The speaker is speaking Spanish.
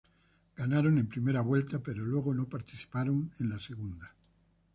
Ganaron en primera vuelta pero luego no participaron de la segunda.